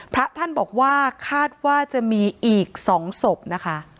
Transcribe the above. พระท่านบอกว่าคาดว่าจะมีอีก๒ศพนะคะ